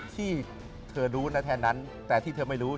ที่เธอรู้นะแค่นั้นแต่ที่เธอไม่รู้